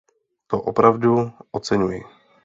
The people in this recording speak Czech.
To opravdu oceňuji.